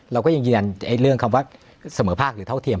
เราก็ยังยืนยันเรื่องคำว่าเสมอภาคหรือเท่าเทียม